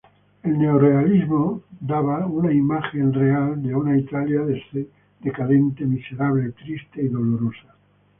El neorrealismo daba una imagen de una Italia decadente, miserable, triste y dolorosa.